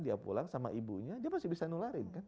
dia pulang sama ibunya dia masih bisa nularin kan